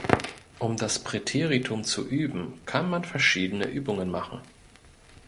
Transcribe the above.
Um das Präteritum zu üben, kann man verschiedene Übungen machen.